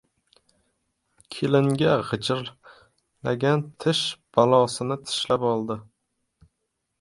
• Kelinga g‘ijirlagan tish bolasini tishlab oldi.